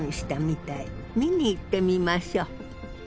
見に行ってみましょう。